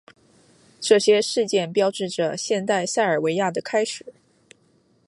这些事件标志着现代塞尔维亚的开始。